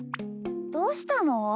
どうしたの？